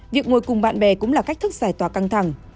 việc ngồi cùng bạn bè cũng là cách thức giải tỏa căng thẳng